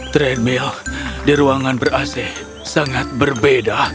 treadmill di ruangan ber ac sangat berbeda